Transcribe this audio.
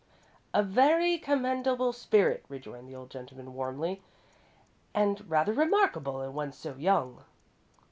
"A very commendable spirit," rejoined the old gentleman, warmly, "and rather remarkable in one so young."